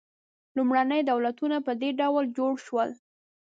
لومړني دولتونه په دې ډول جوړ شول.